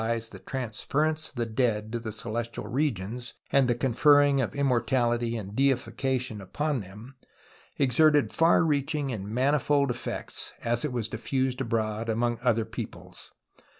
120 TUTANKHAMEN the transference of the dead to the celestial regions and the conferring of immortality and deification upon them exerted far reaching and manifold effects as it was diffused abroad among other peoples.